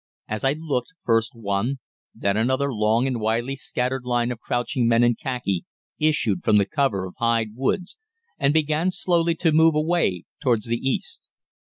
As I looked, first one, then another long and widely scattered line of crouching men in khaki issued from the cover of Hyde Woods and began slowly to move away towards the east.